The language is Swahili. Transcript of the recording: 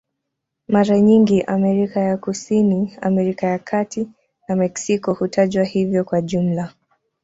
Mara nyingi Amerika ya Kusini, Amerika ya Kati na Meksiko hutajwa hivyo kwa jumla.